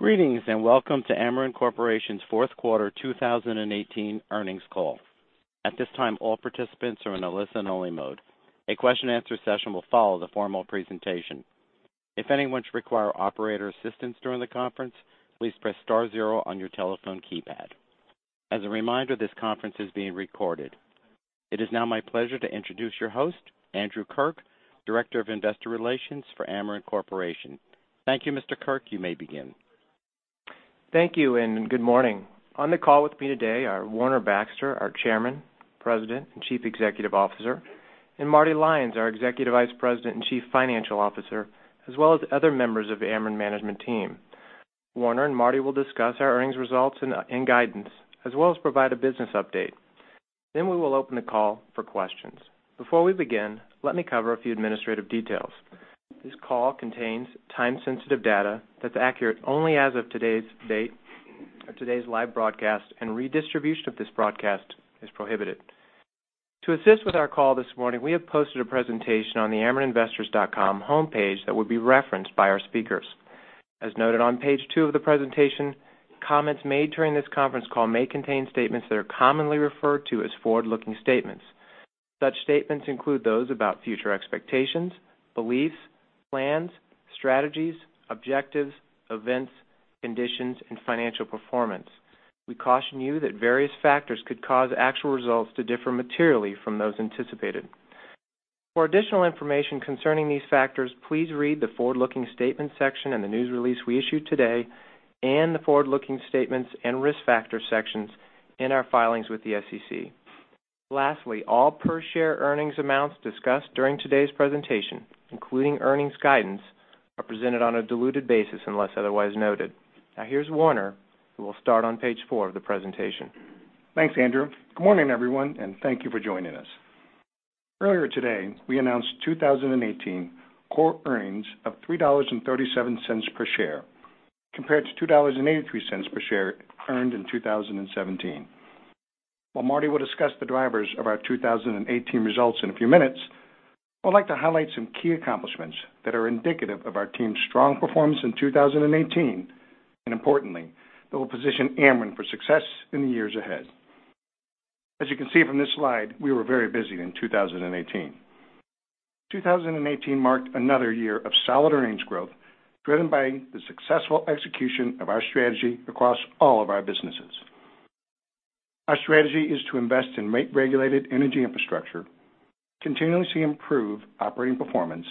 Greetings, and welcome to Ameren Corporation's fourth quarter 2018 earnings call. At this time, all participants are in a listen-only mode. A question-answer session will follow the formal presentation. If anyone should require operator assistance during the conference, please press star zero on your telephone keypad. As a reminder, this conference is being recorded. It is now my pleasure to introduce your host, Andrew Kirk, Director of Investor Relations for Ameren Corporation. Thank you, Mr. Kirk. You may begin. Thank you, and good morning. On the call with me today are Warner Baxter, our Chairman, President, and Chief Executive Officer, and Martin Lyons, our Executive Vice President and Chief Financial Officer, as well as other members of the Ameren management team. Warner and Martin will discuss our earnings results and guidance, as well as provide a business update. Then we will open the call for questions. Before we begin, let me cover a few administrative details. This call contains time-sensitive data that's accurate only as of today's date or today's live broadcast, and redistribution of this broadcast is prohibited. To assist with our call this morning, we have posted a presentation on the amereninvestors.com homepage that will be referenced by our speakers. As noted on page two of the presentation, comments made during this conference call may contain statements that are commonly referred to as forward-looking statements. Such statements include those about future expectations, beliefs, plans, strategies, objectives, events, conditions, and financial performance. We caution you that various factors could cause actual results to differ materially from those anticipated. For additional information concerning these factors, please read the forward-looking statements section in the news release we issued today and the forward-looking statements and risk factor sections in our filings with the SEC. Lastly, all per-share earnings amounts discussed during today's presentation, including earnings guidance, are presented on a diluted basis unless otherwise noted. Now here's Warner, who will start on page four of the presentation. Thanks, Andrew. Good morning, everyone, and thank you for joining us. Earlier today, we announced 2018 core earnings of $3.37 per share, compared to $2.83 per share earned in 2017. While Martin will discuss the drivers of our 2018 results in a few minutes, I would like to highlight some key accomplishments that are indicative of our team's strong performance in 2018, and importantly, that will position Ameren for success in the years ahead. As you can see from this slide, we were very busy in 2018. 2018 marked another year of solid earnings growth, driven by the successful execution of our strategy across all of our businesses. Our strategy is to invest in rate-regulated energy infrastructure, continuously improve operating performance,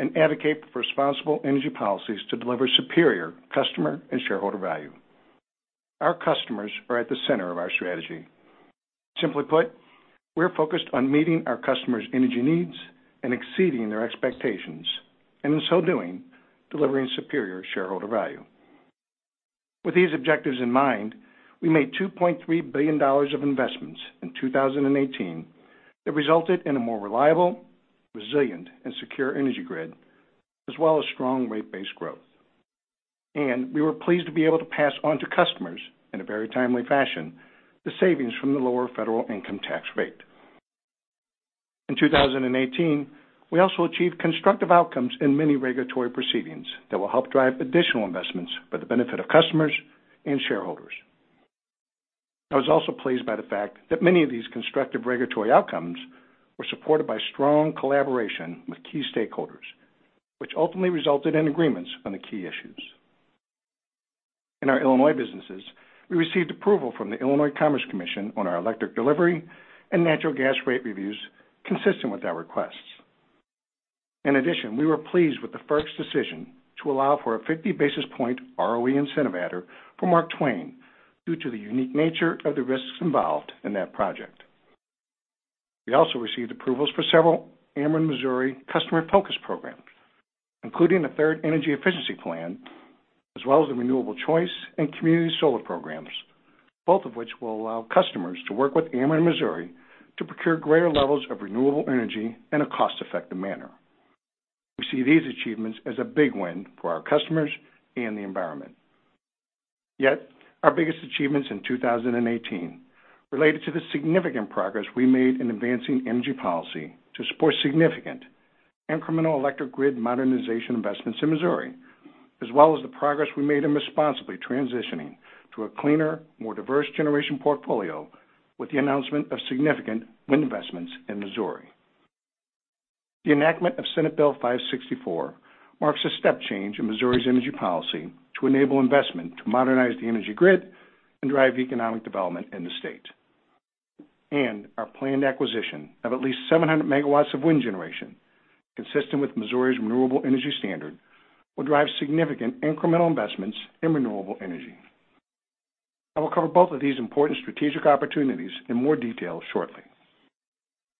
and advocate for responsible energy policies to deliver superior customer and shareholder value. Our customers are at the center of our strategy. Simply put, we're focused on meeting our customers' energy needs and exceeding their expectations, and in so doing, delivering superior shareholder value. With these objectives in mind, we made $2.3 billion of investments in 2018 that resulted in a more reliable, resilient, and secure energy grid, as well as strong rate base growth. We were pleased to be able to pass on to customers in a very timely fashion the savings from the lower federal income tax rate. In 2018, we also achieved constructive outcomes in many regulatory proceedings that will help drive additional investments for the benefit of customers and shareholders. I was also pleased by the fact that many of these constructive regulatory outcomes were supported by strong collaboration with key stakeholders, which ultimately resulted in agreements on the key issues. In our Illinois businesses, we received approval from the Illinois Commerce Commission on our electric delivery and natural gas rate reviews consistent with our requests. In addition, we were pleased with the FERC's decision to allow for a 50 basis point ROE incentive adder for Mark Twain due to the unique nature of the risks involved in that project. We also received approvals for several Ameren Missouri customer-focused programs, including the Third Energy Efficiency Plan, as well as the Renewable Choice and Community Solar programs, both of which will allow customers to work with Ameren Missouri to procure greater levels of renewable energy in a cost-effective manner. We see these achievements as a big win for our customers and the environment. Yet our biggest achievements in 2018 related to the significant progress we made in advancing energy policy to support significant incremental electric grid modernization investments in Missouri, as well as the progress we made in responsibly transitioning to a cleaner, more diverse generation portfolio with the announcement of significant wind investments in Missouri. The enactment of Senate Bill 564 marks a step change in Missouri's energy policy to enable investment to modernize the energy grid and drive economic development in the state. Our planned acquisition of at least 700 megawatts of wind generation, consistent with Missouri's renewable energy standard, will drive significant incremental investments in renewable energy. I will cover both of these important strategic opportunities in more detail shortly.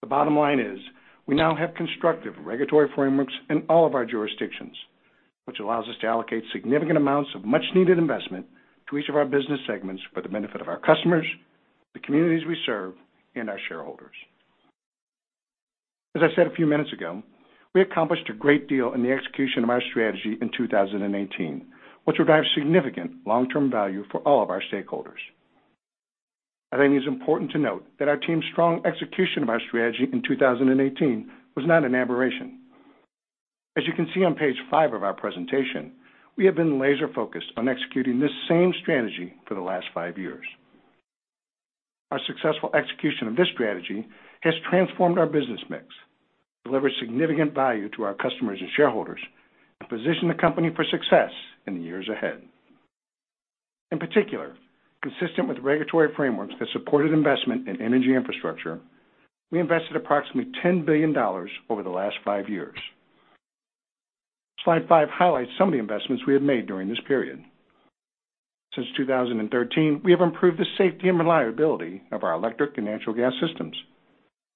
The bottom line is we now have constructive regulatory frameworks in all of our jurisdictions, which allows us to allocate significant amounts of much-needed investment to each of our business segments for the benefit of our customers, the communities we serve, and our shareholders. As I said a few minutes ago, we accomplished a great deal in the execution of our strategy in 2018, which will drive significant long-term value for all of our stakeholders. I think it's important to note that our team's strong execution of our strategy in 2018 was not an aberration. As you can see on page five of our presentation, we have been laser-focused on executing this same strategy for the last five years. Our successful execution of this strategy has transformed our business mix, delivered significant value to our customers and shareholders, and positioned the company for success in the years ahead. In particular, consistent with regulatory frameworks that supported investment in energy infrastructure, we invested approximately $10 billion over the last five years. Slide five highlights some of the investments we have made during this period. Since 2013, we have improved the safety and reliability of our electric and natural gas systems,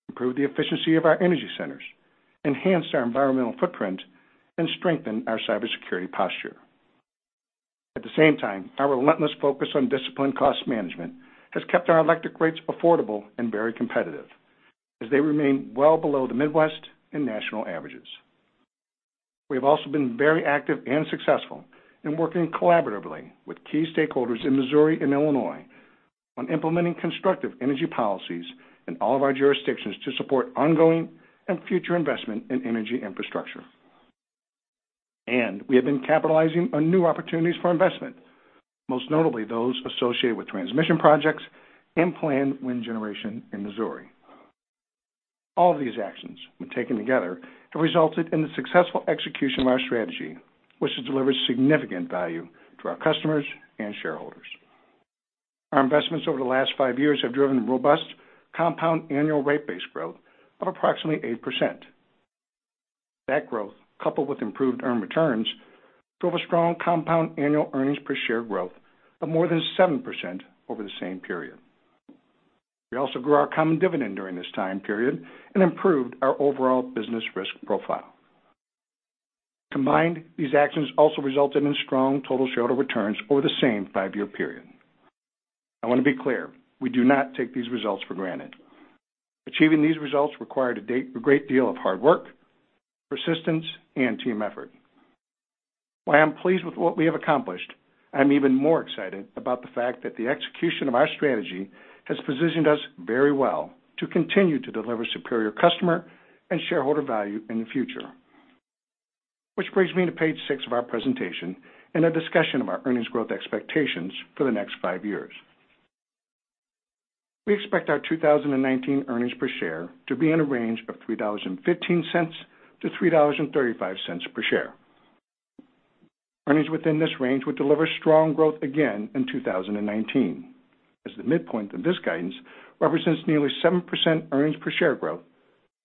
improved the efficiency of our energy centers, enhanced our environmental footprint, and strengthened our cybersecurity posture. At the same time, our relentless focus on disciplined cost management has kept our electric rates affordable and very competitive as they remain well below the Midwest and national averages. We have also been very active and successful in working collaboratively with key stakeholders in Missouri and Illinois on implementing constructive energy policies in all of our jurisdictions to support ongoing and future investment in energy infrastructure. We have been capitalizing on new opportunities for investment, most notably those associated with transmission projects and planned wind generation in Missouri. All of these actions, when taken together, have resulted in the successful execution of our strategy, which has delivered significant value to our customers and shareholders. Our investments over the last five years have driven robust compound annual rate base growth of approximately 8%. That growth, coupled with improved earned returns, drove a strong compound annual earnings per share growth of more than 7% over the same period. We also grew our common dividend during this time period and improved our overall business risk profile. Combined, these actions also resulted in strong total shareholder returns over the same five-year period. I want to be clear, we do not take these results for granted. Achieving these results required a great deal of hard work, persistence, and team effort. While I'm pleased with what we have accomplished, I'm even more excited about the fact that the execution of our strategy has positioned us very well to continue to deliver superior customer and shareholder value in the future. Which brings me to page six of our presentation and a discussion of our earnings growth expectations for the next five years. We expect our 2019 earnings per share to be in a range of $3.15-$3.35 per share. Earnings within this range would deliver strong growth again in 2019, as the midpoint of this guidance represents nearly 7% earnings per share growth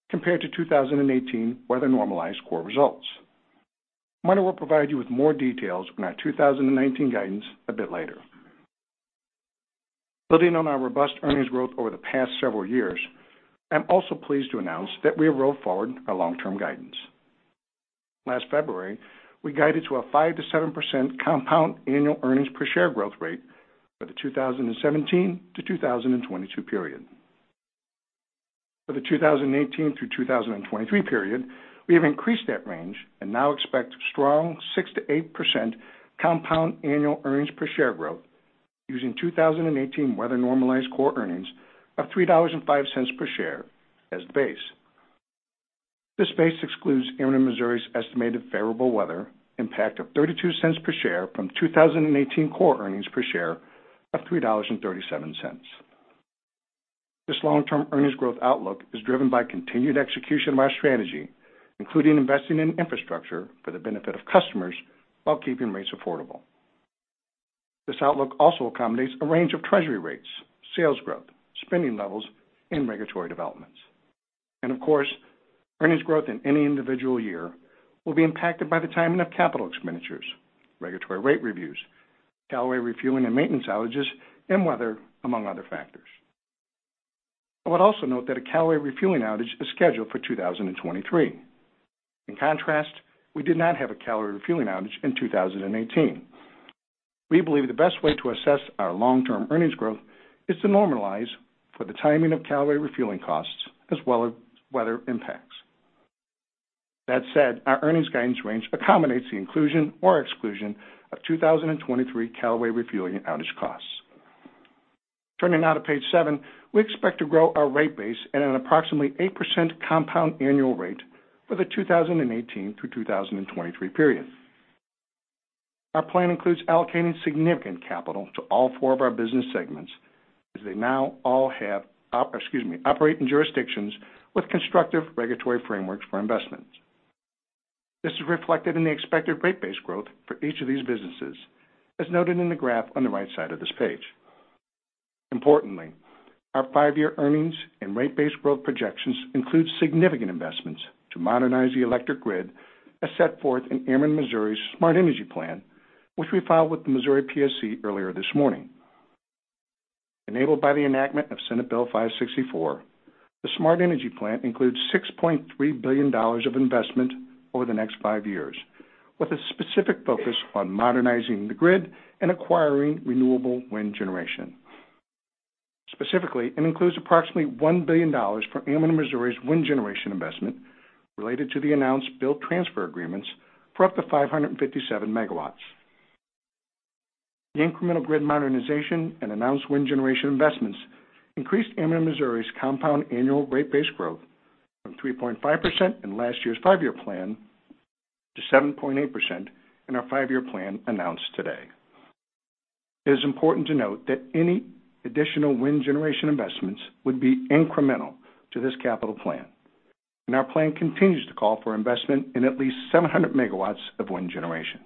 compared to 2018 weather-normalized core results. Martin will provide you with more details on our 2019 guidance a bit later. Building on our robust earnings growth over the past several years, I'm also pleased to announce that we have rolled forward our long-term guidance. Last February, we guided to a 5%-7% compound annual earnings per share growth rate for the 2017-2022 period. For the 2018-2023 period, we have increased that range and now expect strong 6%-8% compound annual earnings per share growth using 2018 weather-normalized core earnings of $3.05 per share as the base. This base excludes Ameren Missouri's estimated favorable weather impact of $0.32 per share from 2018 core earnings per share of $3.37. This long-term earnings growth outlook is driven by continued execution of our strategy, including investing in infrastructure for the benefit of customers while keeping rates affordable. This outlook also accommodates a range of Treasury rates, sales growth, spending levels, and regulatory developments. Of course, earnings growth in any individual year will be impacted by the timing of capital expenditures, regulatory rate reviews, Callaway refueling and maintenance outages, and weather, among other factors. I would also note that a Callaway refueling outage is scheduled for 2023. In contrast, we did not have a Callaway refueling outage in 2018. We believe the best way to assess our long-term earnings growth is to normalize for the timing of Callaway refueling costs as well as weather impacts. That said, our earnings guidance range accommodates the inclusion or exclusion of 2023 Callaway refueling outage costs. Turning now to page seven, we expect to grow our rate base at an approximately 8% compound annual rate for the 2018 to 2023 period. Our plan includes allocating significant capital to all four of our business segments as they now all have operate in jurisdictions with constructive regulatory frameworks for investments. This is reflected in the expected rate base growth for each of these businesses, as noted in the graph on the right side of this page. Importantly, our five-year earnings and rate base growth projections include significant investments to modernize the electric grid, as set forth in Ameren Missouri's Smart Energy Plan, which we filed with the Missouri PSC earlier this morning. Enabled by the enactment of Senate Bill 564, the Smart Energy Plan includes $6.3 billion of investment over the next five years, with a specific focus on modernizing the grid and acquiring renewable wind generation. Specifically, it includes approximately $1 billion for Ameren Missouri's wind generation investment related to the announced build-transfer agreements for up to 557 MW. The incremental grid modernization and announced wind generation investments increased Ameren Missouri's compound annual rate base growth from 3.5% in last year's five-year plan to 7.8% in our five-year plan announced today. It is important to note that any additional wind generation investments would be incremental to this capital plan, and our plan continues to call for investment in at least 700 MW of wind generation.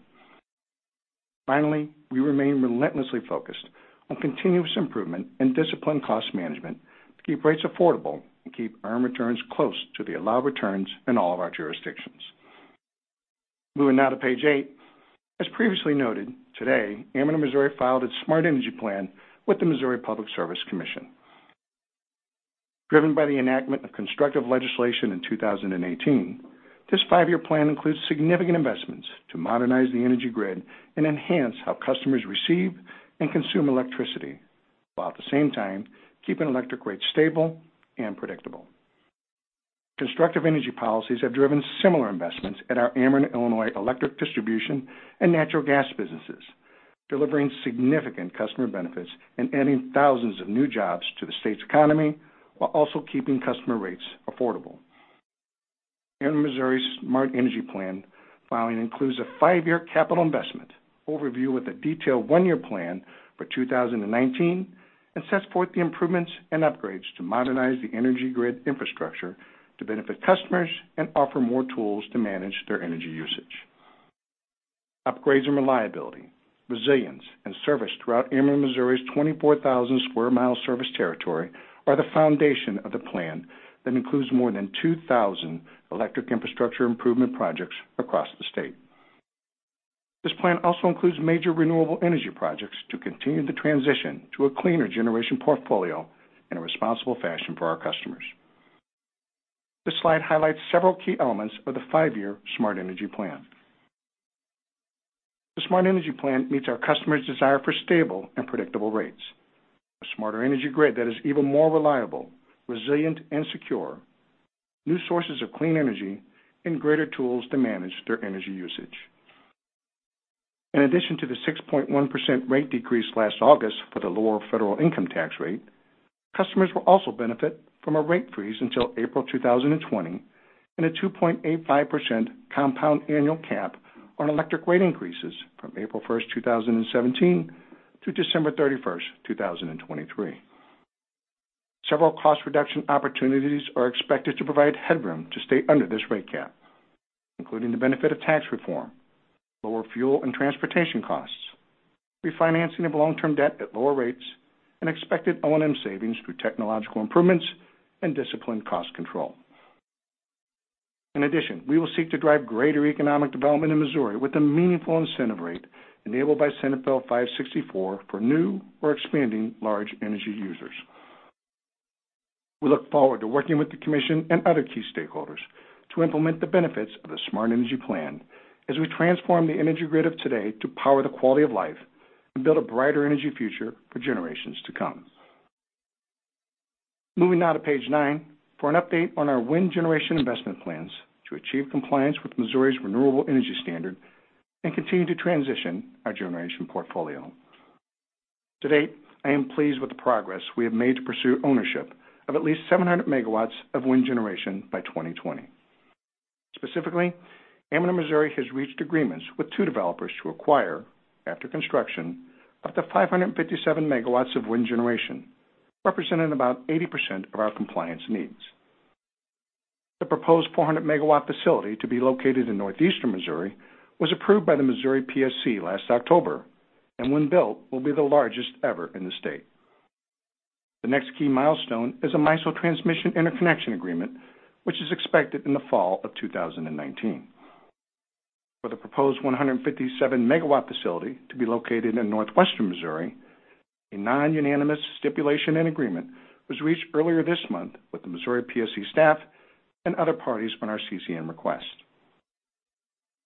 Finally, we remain relentlessly focused on continuous improvement and disciplined cost management to keep rates affordable and keep earn returns close to the allowed returns in all of our jurisdictions. Moving now to page eight. As previously noted, today, Ameren Missouri filed its Smart Energy Plan with the Missouri Public Service Commission. Driven by the enactment of constructive legislation in 2018, this five-year plan includes significant investments to modernize the energy grid and enhance how customers receive and consume electricity, while at the same time keeping electric rates stable and predictable. Constructive energy policies have driven similar investments at our Ameren Illinois electric distribution and natural gas businesses, delivering significant customer benefits and adding thousands of new jobs to the state's economy while also keeping customer rates affordable. Ameren Missouri's Smart Energy Plan filing includes a five-year capital investment overview with a detailed one-year plan for 2019, and sets forth the improvements and upgrades to modernize the energy grid infrastructure to benefit customers and offer more tools to manage their energy usage. Upgrades in reliability, resilience, and service throughout Ameren Missouri's 24,000 square mile service territory are the foundation of the plan that includes more than 2,000 electric infrastructure improvement projects across the state. This plan also includes major renewable energy projects to continue the transition to a cleaner generation portfolio in a responsible fashion for our customers. This slide highlights several key elements of the 5-year Smart Energy Plan. The Smart Energy Plan meets our customers' desire for stable and predictable rates, a smarter energy grid that is even more reliable, resilient and secure, new sources of clean energy, and greater tools to manage their energy usage. In addition to the 6.1% rate decrease last August for the lower federal income tax rate, customers will also benefit from a rate freeze until April 2020, and a 2.85% compound annual cap on electric rate increases from April 1st, 2017 to December 31st, 2023. Several cost reduction opportunities are expected to provide headroom to stay under this rate cap, including the benefit of tax reform, lower fuel and transportation costs, refinancing of long-term debt at lower rates, and expected O&M savings through technological improvements and disciplined cost control. In addition, we will seek to drive greater economic development in Missouri with a meaningful incentive rate enabled by Senate Bill 564 for new or expanding large energy users. We look forward to working with the commission and other key stakeholders to implement the benefits of the Smart Energy Plan as we transform the energy grid of today to power the quality of life and build a brighter energy future for generations to come. Moving now to page nine for an update on our wind generation investment plans to achieve compliance with Missouri's renewable energy standard and continue to transition our generation portfolio. To date, I am pleased with the progress we have made to pursue ownership of at least 700 megawatts of wind generation by 2020. Specifically, Ameren Missouri has reached agreements with two developers to acquire, after construction, up to 557 megawatts of wind generation, representing about 80% of our compliance needs. The proposed 400 megawatt facility to be located in northeastern Missouri was approved by the Missouri PSC last October, and when built, will be the largest ever in the state. The next key milestone is a MISO transmission interconnection agreement, which is expected in the fall of 2019. For the proposed 157 megawatt facility to be located in northwestern Missouri, a unanimous stipulation and agreement was reached earlier this month with the Missouri PSC staff and other parties on our CCN request.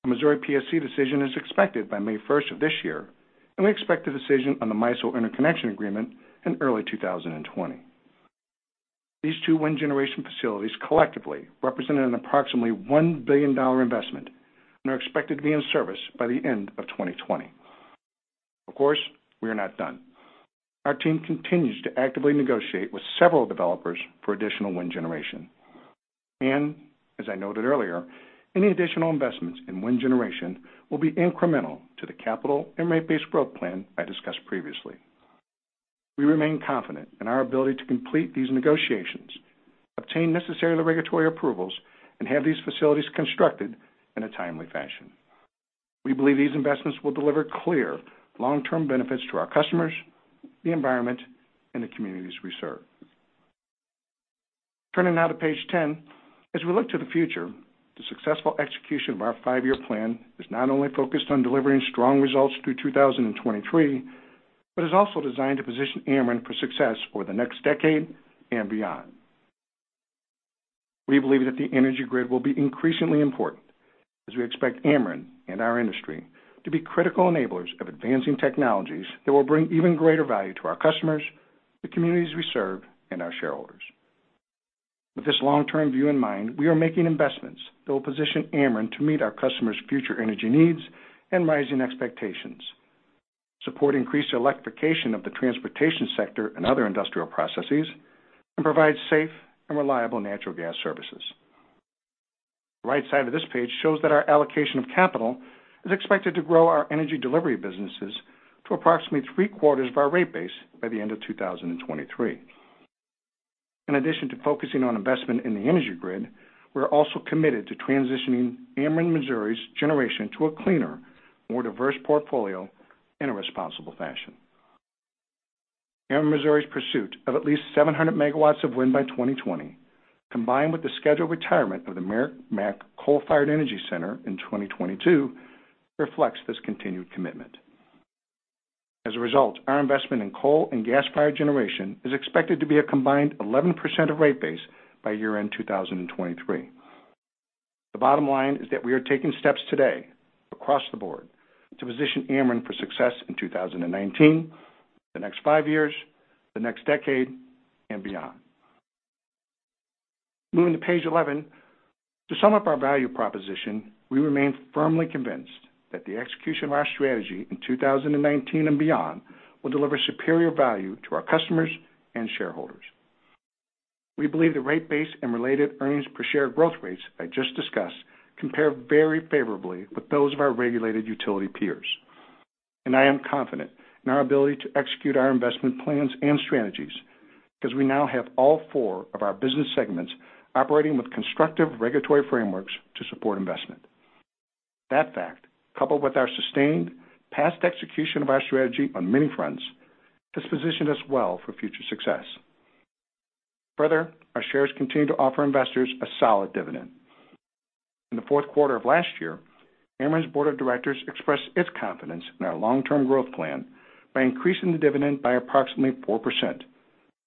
A Missouri PSC decision is expected by May 1st of this year, and we expect a decision on the MISO interconnection agreement in early 2020. These two wind generation facilities collectively represent an approximately $1 billion investment and are expected to be in service by the end of 2020. Of course, we are not done. Our team continues to actively negotiate with several developers for additional wind generation. As I noted earlier, any additional investments in wind generation will be incremental to the capital and rate-based growth plan I discussed previously. We remain confident in our ability to complete these negotiations, obtain necessary regulatory approvals, and have these facilities constructed in a timely fashion. We believe these investments will deliver clear long-term benefits to our customers, the environment, and the communities we serve. Turning now to page 10. As we look to the future, the successful execution of our five-year plan is not only focused on delivering strong results through 2023, but is also designed to position Ameren for success for the next decade and beyond. We believe that the energy grid will be increasingly important as we expect Ameren and our industry to be critical enablers of advancing technologies that will bring even greater value to our customers, the communities we serve, and our shareholders. With this long-term view in mind, we are making investments that will position Ameren to meet our customers' future energy needs and rising expectations, support increased electrification of the transportation sector and other industrial processes, and provide safe and reliable natural gas services. The right side of this page shows that our allocation of capital is expected to grow our energy delivery businesses to approximately three-quarters of our rate base by the end of 2023. In addition to focusing on investment in the energy grid, we're also committed to transitioning Ameren Missouri's generation to a cleaner, more diverse portfolio in a responsible fashion. Ameren Missouri's pursuit of at least 700 MW of wind by 2020, combined with the scheduled retirement of the Meramec Energy Center in 2022, reflects this continued commitment. As a result, our investment in coal and gas-fired generation is expected to be a combined 11% of rate base by year-end 2023. The bottom line is that we are taking steps today across the board to position Ameren for success in 2019, the next five years, the next decade, and beyond. Moving to page 11, to sum up our value proposition, we remain firmly convinced that the execution of our strategy in 2019 and beyond will deliver superior value to our customers and shareholders. We believe the rate base and related earnings per share growth rates I just discussed compare very favorably with those of our regulated utility peers. I am confident in our ability to execute our investment plans and strategies, because we now have all four of our business segments operating with constructive regulatory frameworks to support investment. That fact, coupled with our sustained past execution of our strategy on many fronts, has positioned us well for future success. Further, our shares continue to offer investors a solid dividend. In the fourth quarter of last year, Ameren's board of directors expressed its confidence in our long-term growth plan by increasing the dividend by approximately 4%,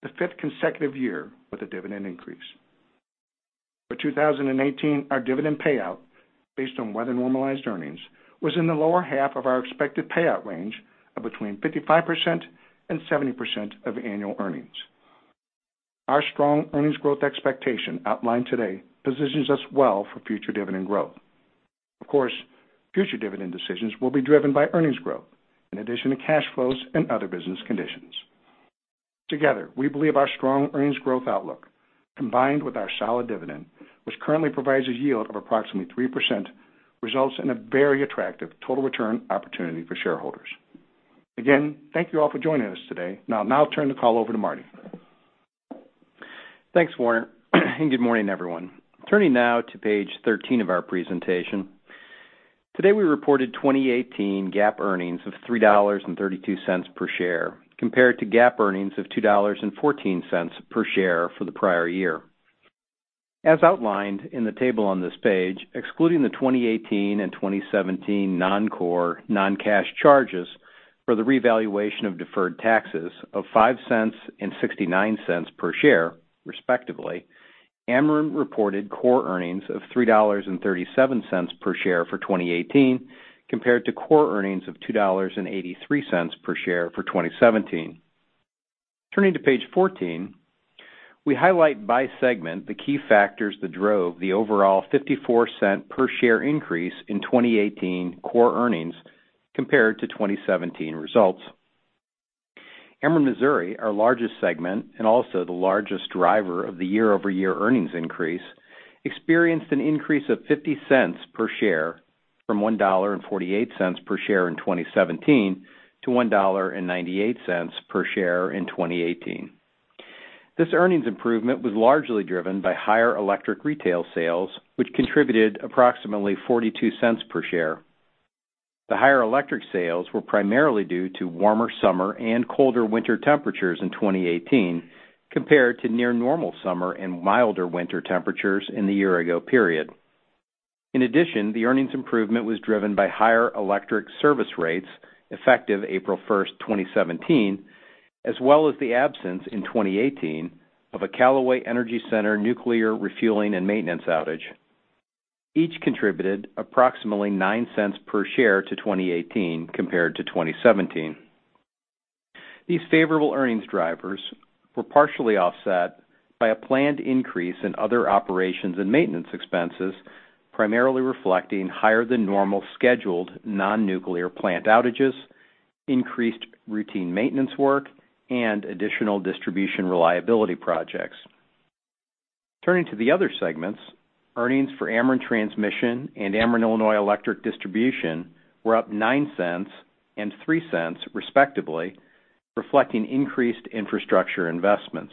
the fifth consecutive year with a dividend increase. For 2019, our dividend payout, based on weather-normalized earnings, was in the lower half of our expected payout range of between 55% and 70% of annual earnings. Our strong earnings growth expectation outlined today positions us well for future dividend growth. Of course, future dividend decisions will be driven by earnings growth in addition to cash flows and other business conditions. Together, we believe our strong earnings growth outlook, combined with our solid dividend, which currently provides a yield of approximately 3%, results in a very attractive total return opportunity for shareholders. Again, thank you all for joining us today. I'll now turn the call over to Martin. Thanks, Warner, good morning, everyone. Turning now to page 13 of our presentation. Today, we reported 2018 GAAP earnings of $3.32 per share compared to GAAP earnings of $2.14 per share for the prior year. As outlined in the table on this page, excluding the 2018 and 2017 non-core, non-cash charges for the revaluation of deferred taxes of $0.05 and $0.69 per share, respectively, Ameren reported core earnings of $3.37 per share for 2018 compared to core earnings of $2.83 per share for 2017. Turning to page 14, we highlight by segment the key factors that drove the overall $0.54 per share increase in 2018 core earnings compared to 2017 results. Ameren Missouri, our largest segment and also the largest driver of the year-over-year earnings increase, experienced an increase of $0.50 per share from $1.48 per share in 2017 to $1.98 per share in 2018. This earnings improvement was largely driven by higher electric retail sales, which contributed approximately $0.42 per share. The higher electric sales were primarily due to warmer summer and colder winter temperatures in 2018 compared to near-normal summer and milder winter temperatures in the year-ago period. In addition, the earnings improvement was driven by higher electric service rates effective April 1st, 2017, as well as the absence in 2018 of a Callaway Energy Center nuclear refueling and maintenance outage. Each contributed approximately $0.09 per share to 2018 compared to 2017. These favorable earnings drivers were partially offset by a planned increase in other operations and maintenance expenses, primarily reflecting higher-than-normal scheduled non-nuclear plant outages, increased routine maintenance work, and additional distribution reliability projects. Turning to the other segments, earnings for Ameren Transmission and Ameren Illinois Electric Distribution were up $0.09 and $0.03, respectively, reflecting increased infrastructure investments.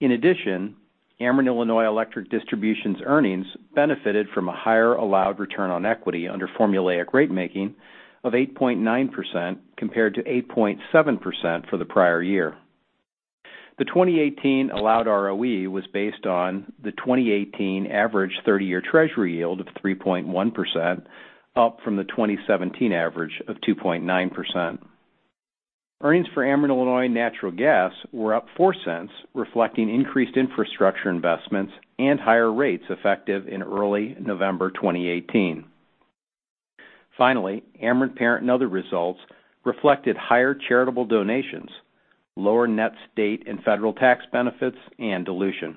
In addition, Ameren Illinois Electric Distribution's earnings benefited from a higher allowed return on equity under formula ratemaking of 8.9% compared to 8.7% for the prior year. The 2018 allowed ROE was based on the 2018 average 30-year Treasury yield of 3.1%, up from the 2017 average of 2.9%. Earnings for Ameren Illinois Natural Gas were up $0.04, reflecting increased infrastructure investments and higher rates effective in early November 2018. Finally, Ameren parent and other results reflected higher charitable donations, lower net state and federal tax benefits, and dilution.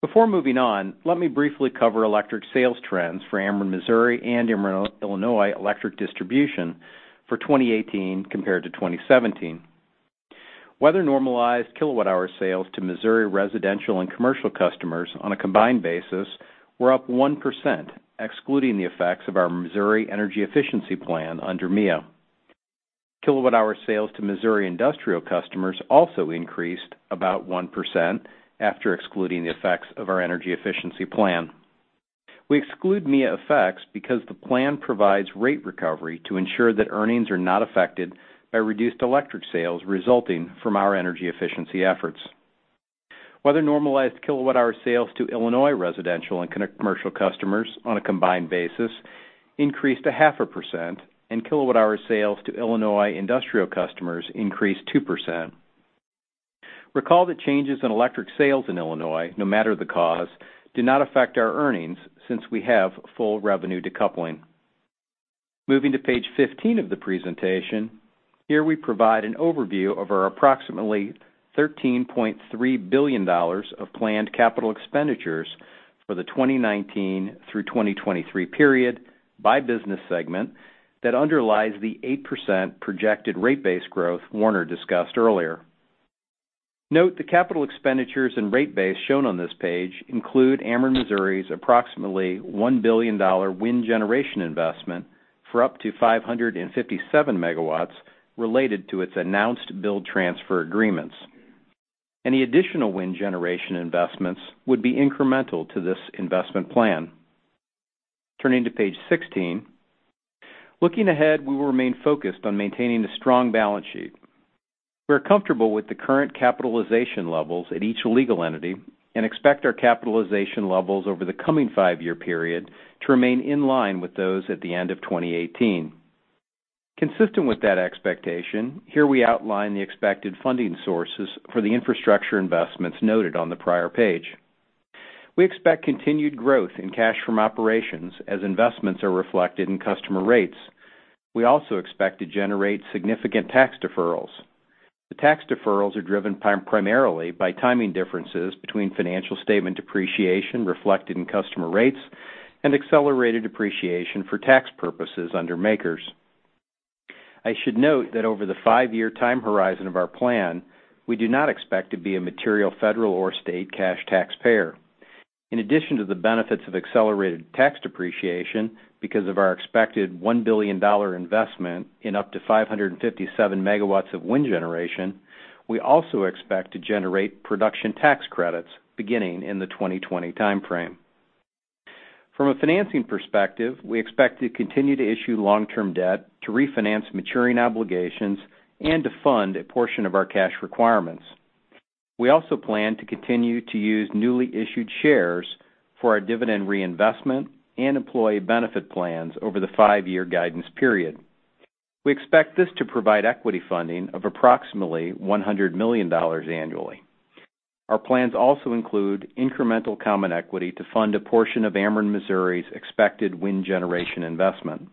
Before moving on, let me briefly cover electric sales trends for Ameren Missouri and Ameren Illinois Electric Distribution for 2018 compared to 2017. Weather-normalized kilowatt-hour sales to Missouri residential and commercial customers on a combined basis were up 1%, excluding the effects of our Missouri energy efficiency plan under MEEIA. Kilowatt-hour sales to Missouri industrial customers also increased about 1% after excluding the effects of our energy efficiency plan. We exclude MEEIA effects because the plan provides rate recovery to ensure that earnings are not affected by reduced electric sales resulting from our energy efficiency efforts. Weather-normalized kilowatt-hour sales to Illinois residential and commercial customers on a combined basis increased a half a percent, and kilowatt-hour sales to Illinois industrial customers increased 2%. Recall that changes in electric sales in Illinois, no matter the cause, did not affect our earnings, since we have full revenue decoupling. Moving to page 15 of the presentation, here we provide an overview of our approximately $13.3 billion of planned capital expenditures for the 2019 through 2023 period by business segment that underlies the 8% projected rate base growth Warner discussed earlier. Note the capital expenditures and rate base shown on this page include Ameren Missouri's approximately $1 billion wind generation investment for up to 557 megawatts related to its announced build-transfer agreements. Any additional wind generation investments would be incremental to this investment plan. Turning to page 16, looking ahead, we will remain focused on maintaining a strong balance sheet. We're comfortable with the current capitalization levels at each legal entity and expect our capitalization levels over the coming five-year period to remain in line with those at the end of 2018. Consistent with that expectation, here we outline the expected funding sources for the infrastructure investments noted on the prior page. We expect continued growth in cash from operations as investments are reflected in customer rates. We also expect to generate significant tax deferrals. The tax deferrals are driven primarily by timing differences between financial statement depreciation reflected in customer rates and accelerated depreciation for tax purposes under MACRS. I should note that over the five-year time horizon of our plan, we do not expect to be a material federal or state cash taxpayer. In addition to the benefits of accelerated tax depreciation because of our expected $1 billion investment in up to 557 megawatts of wind generation, we also expect to generate production tax credits beginning in the 2020 timeframe. From a financing perspective, we expect to continue to issue long-term debt to refinance maturing obligations and to fund a portion of our cash requirements. We also plan to continue to use newly issued shares for our dividend reinvestment and employee benefit plans over the five-year guidance period. We expect this to provide equity funding of approximately $100 million annually. Our plans also include incremental common equity to fund a portion of Ameren Missouri's expected wind generation investment.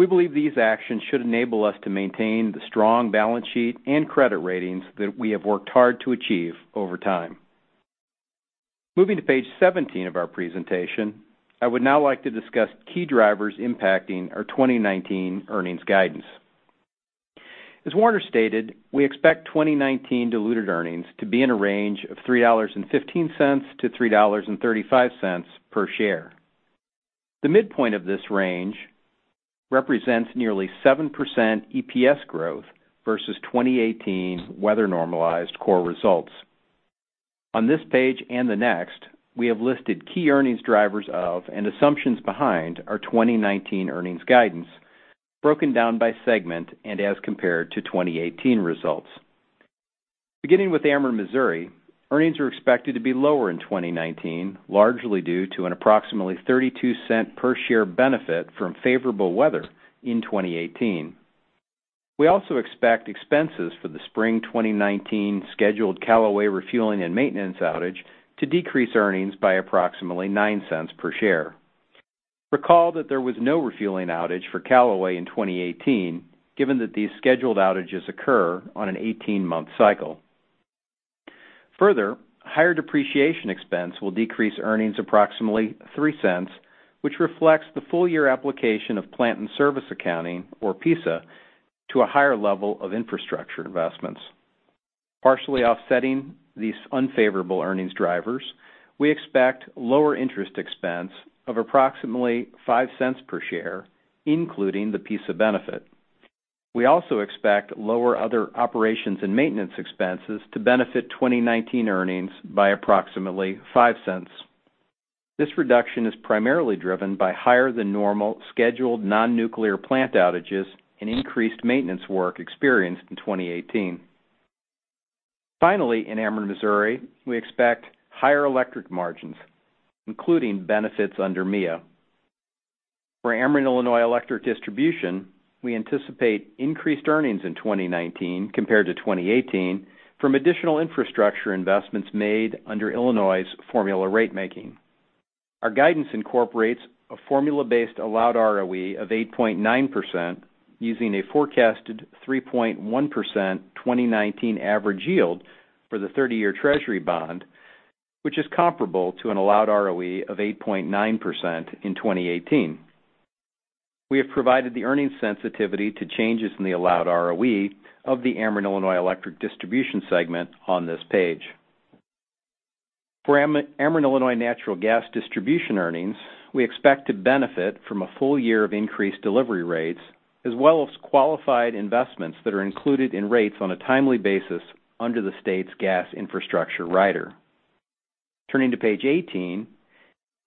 We believe these actions should enable us to maintain the strong balance sheet and credit ratings that we have worked hard to achieve over time. Moving to page 17 of our presentation, I would now like to discuss key drivers impacting our 2019 earnings guidance. As Warner stated, we expect 2019 diluted earnings to be in a range of $3.15 to $3.35 per share. The midpoint of this range represents nearly 7% EPS growth versus 2018 weather-normalized core results. On this page and the next, we have listed key earnings drivers of and assumptions behind our 2019 earnings guidance, broken down by segment and as compared to 2018 results. Beginning with Ameren Missouri, earnings are expected to be lower in 2019, largely due to an approximately $0.32 per share benefit from favorable weather in 2018. We also expect expenses for the spring 2019 scheduled Callaway refueling and maintenance outage to decrease earnings by approximately $0.09 per share. Recall that there was no refueling outage for Callaway in 2018, given that these scheduled outages occur on an 18-month cycle. Further, higher depreciation expense will decrease earnings approximately $0.03, which reflects the full-year application of plant and service accounting, or PISA, to a higher level of infrastructure investments. Partially offsetting these unfavorable earnings drivers, we expect lower interest expense of approximately $0.05 per share, including the PISA benefit. We also expect lower other operations and maintenance expenses to benefit 2019 earnings by approximately $0.05. This reduction is primarily driven by higher-than-normal scheduled non-nuclear plant outages and increased maintenance work experienced in 2018. Finally, in Ameren Missouri, we expect higher electric margins, including benefits under MEEIA. For Ameren Illinois Electric Distribution, we anticipate increased earnings in 2019 compared to 2018 from additional infrastructure investments made under Illinois' formula ratemaking. Our guidance incorporates a formula-based allowed ROE of 8.9%, using a forecasted 3.1% 2019 average yield for the 30-year Treasury bond, which is comparable to an allowed ROE of 8.9% in 2018. We have provided the earnings sensitivity to changes in the allowed ROE of the Ameren Illinois Electric Distribution segment on this page. For Ameren Illinois Natural Gas Distribution earnings, we expect to benefit from a full year of increased delivery rates, as well as qualified investments that are included in rates on a timely basis under the state's gas infrastructure rider. Turning to page 18,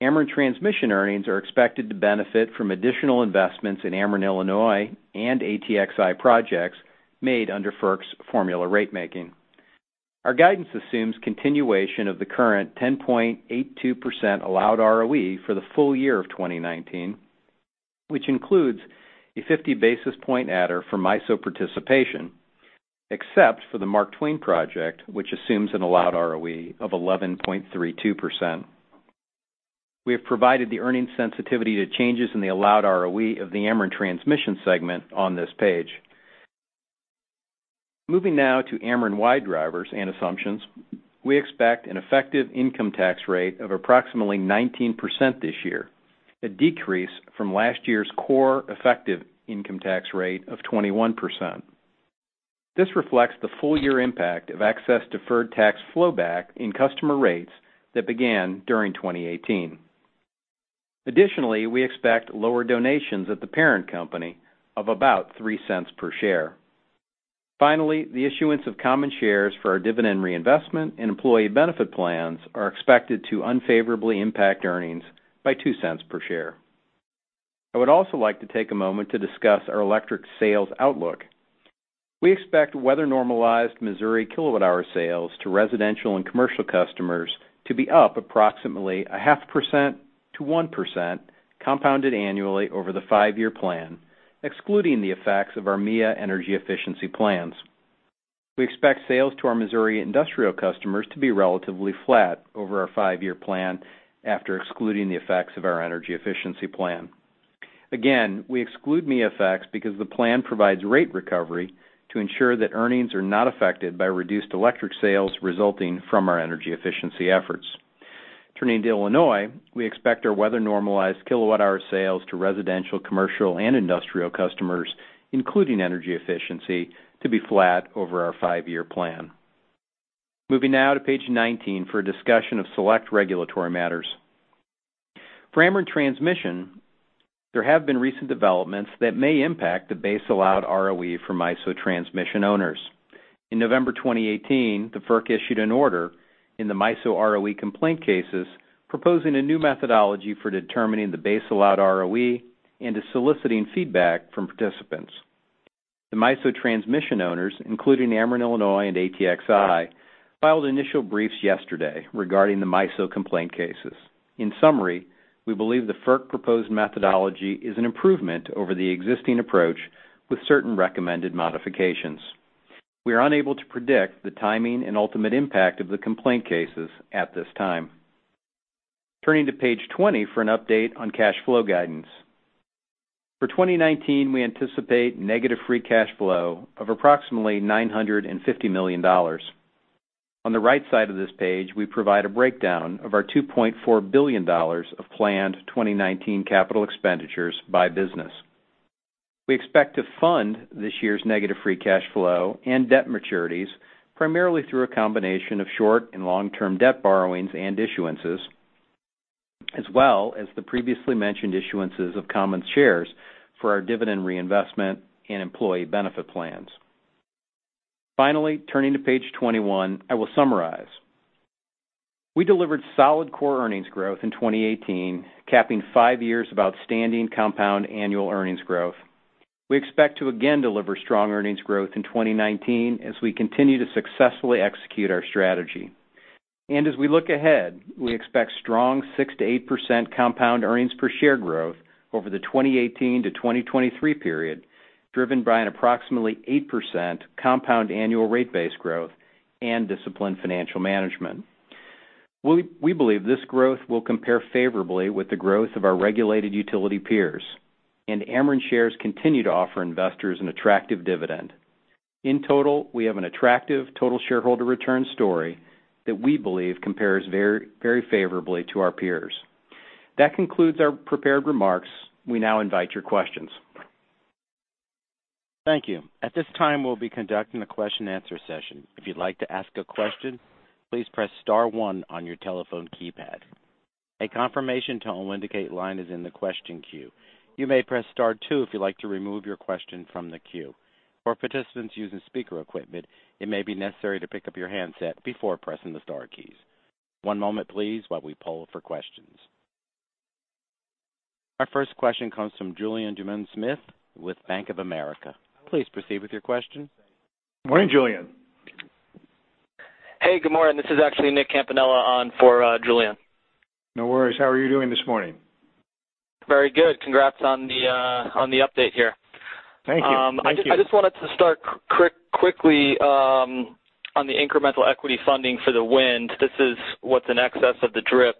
Ameren Transmission earnings are expected to benefit from additional investments in Ameren Illinois and ATXI projects made under FERC's formula ratemaking. Our guidance assumes continuation of the current 10.82% allowed ROE for the full year of 2019, which includes a 50-basis-point adder for MISO participation, except for the Mark Twain project, which assumes an allowed ROE of 11.32%. We have provided the earnings sensitivity to changes in the allowed ROE of the Ameren Transmission segment on this page. Moving now to Ameren-wide drivers and assumptions. We expect an effective income tax rate of approximately 19% this year, a decrease from last year's core effective income tax rate of 21%. This reflects the full-year impact of excess deferred tax flow back in customer rates that began during 2018. Additionally, we expect lower donations at the parent company of about $0.03 per share. Finally, the issuance of common shares for our dividend reinvestment and employee benefit plans are expected to unfavorably impact earnings by $0.02 per share. I would also like to take a moment to discuss our electric sales outlook. We expect weather-normalized Missouri kilowatt-hour sales to residential and commercial customers to be up approximately a half percent to 1% compounded annually over the five-year plan, excluding the effects of our MEEIA energy efficiency plans. We expect sales to our Missouri industrial customers to be relatively flat over our five-year plan after excluding the effects of our energy efficiency plan. Again, we exclude MEEIA effects because the plan provides rate recovery to ensure that earnings are not affected by reduced electric sales resulting from our energy efficiency efforts. Turning to Illinois, we expect our weather-normalized kilowatt-hour sales to residential, commercial, and industrial customers, including energy efficiency, to be flat over our five-year plan. Moving now to page 19 for a discussion of select regulatory matters. For Ameren Transmission, there have been recent developments that may impact the base allowed ROE for MISO transmission owners. In November 2018, the FERC issued an order in the MISO ROE complaint cases proposing a new methodology for determining the base allowed ROE and is soliciting feedback from participants. The MISO transmission owners, including Ameren Illinois and ATXI, filed initial briefs yesterday regarding the MISO complaint cases. In summary, we believe the FERC-proposed methodology is an improvement over the existing approach with certain recommended modifications. We are unable to predict the timing and ultimate impact of the complaint cases at this time. Turning to page 20 for an update on cash flow guidance. For 2019, we anticipate negative free cash flow of approximately $950 million. On the right side of this page, we provide a breakdown of our $2.4 billion of planned 2019 capital expenditures by business. We expect to fund this year's negative free cash flow and debt maturities primarily through a combination of short and long-term debt borrowings and issuances, as well as the previously mentioned issuances of common shares for our dividend reinvestment and employee benefit plans. Finally, turning to page 21, I will summarize. We delivered solid core earnings growth in 2018, capping five years of outstanding compound annual earnings growth. We expect to again deliver strong earnings growth in 2019 as we continue to successfully execute our strategy. As we look ahead, we expect strong 6% to 8% compound earnings-per-share growth over the 2018 to 2023 period, driven by an approximately 8% compound annual rate base growth and disciplined financial management. We believe this growth will compare favorably with the growth of our regulated utility peers, Ameren shares continue to offer investors an attractive dividend. In total, we have an attractive total shareholder return story that we believe compares very favorably to our peers. That concludes our prepared remarks. We now invite your questions. Thank you. At this time, we'll be conducting a question and answer session. If you'd like to ask a question, please press *1 on your telephone keypad. A confirmation tone will indicate line is in the question queue. You may press *2 if you'd like to remove your question from the queue. For participants using speaker equipment, it may be necessary to pick up your handset before pressing the star keys. One moment, please, while we poll for questions. Our first question comes from Julien Dumoulin-Smith with Bank of America. Please proceed with your question. Morning, Julien. Hey, good morning. This is actually Nicholas Campanella on for Julien. No worries. How are you doing this morning? Very good. Congrats on the update here. Thank you. I just wanted to start quickly on the incremental equity funding for the wind. This is what's in excess of the DRIP.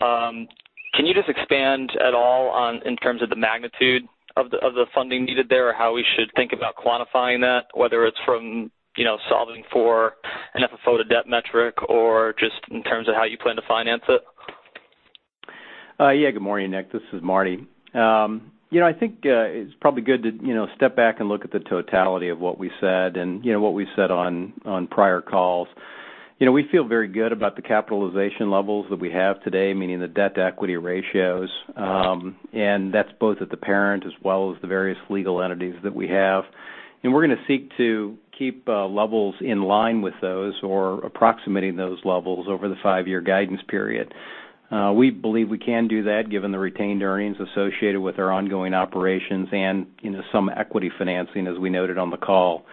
Can you just expand at all on, in terms of the magnitude of the funding needed there, or how we should think about quantifying that, whether it's from solving for an FFO-to-debt metric or just in terms of how you plan to finance it? Yeah. Good morning, Nick. This is Martin. I think it's probably good to step back and look at the totality of what we said and what we've said on prior calls. We feel very good about the capitalization levels that we have today, meaning the debt-to-equity ratios. That's both at the parent as well as the various legal entities that we have. We're going to seek to keep levels in line with those or approximating those levels over the five-year guidance period. We believe we can do that given the retained earnings associated with our ongoing operations and some equity financing, as we noted on the call.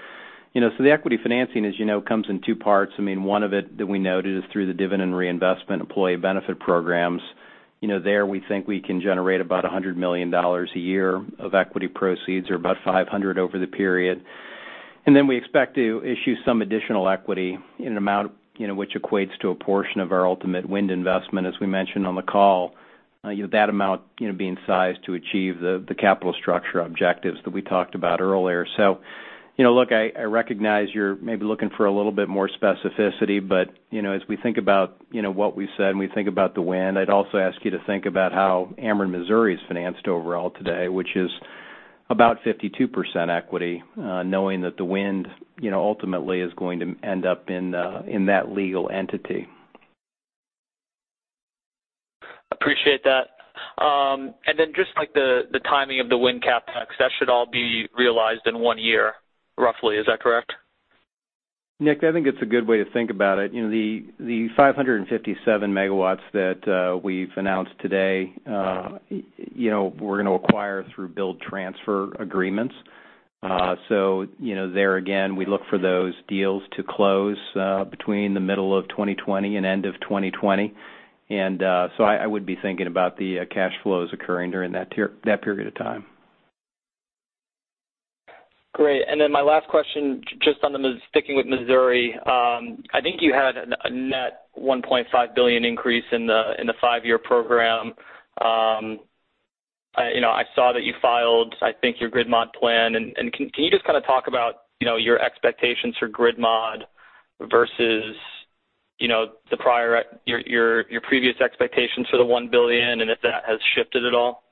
The equity financing, as you know, comes in two parts. One of it that we noted is through the dividend reinvestment employee benefit programs. There, we think we can generate about $100 million a year of equity proceeds or about $500 million over the period. We expect to issue some additional equity in an amount which equates to a portion of our ultimate wind investment, as we mentioned on the call, that amount being sized to achieve the capital structure objectives that we talked about earlier. Look, I recognize you're maybe looking for a little bit more specificity, but as we think about what we said and we think about the wind, I'd also ask you to think about how Ameren Missouri is financed overall today, which is about 52% equity, knowing that the wind ultimately is going to end up in that legal entity. Appreciate that. Just the timing of the wind CAPEX, that should all be realized in one year, roughly. Is that correct? Nick, I think it's a good way to think about it. The 557 megawatts that we've announced today, we're going to acquire through build-transfer agreements. There, again, we look for those deals to close between the middle of 2020 and end of 2020. I would be thinking about the cash flows occurring during that period of time. Great. My last question, just sticking with Missouri, I think you had a net $1.5 billion increase in the five-year program. I saw that you filed, I think, your grid modernization plan. Can you just kind of talk about your expectations for grid modernization versus your previous expectations for the $1 billion and if that has shifted at all?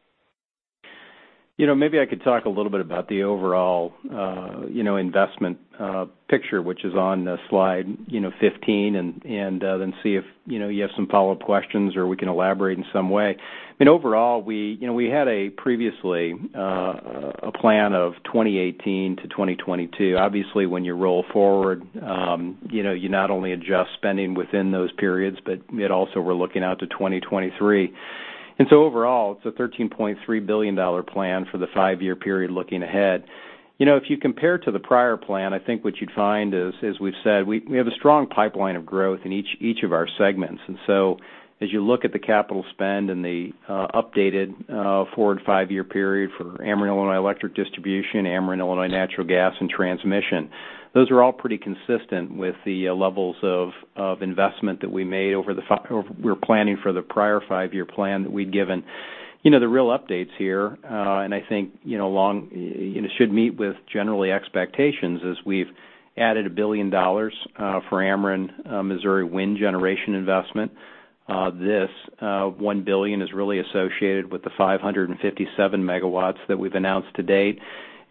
Maybe I could talk a little bit about the overall investment picture, which is on slide 15, and then see if you have some follow-up questions or we can elaborate in some way. Overall, we had a previously plan of 2018 to 2022. Obviously, when you roll forward, you not only adjust spending within those periods, but also we're looking out to 2023. Overall, it's a $13.3 billion plan for the five-year period looking ahead. If you compare to the prior plan, I think what you'd find is, as we've said, we have a strong pipeline of growth in each of our segments. As you look at the capital spend and the updated forward five-year period for Ameren Illinois Electric Distribution, Ameren Illinois Natural Gas and Transmission, those are all pretty consistent with the levels of investment that we're planning for the prior five-year plan that we'd given. The real updates here, and I think should meet with generally expectations, is we've added $1 billion for Ameren Missouri wind generation investment. This $1 billion is really associated with the 557 MW that we've announced to date.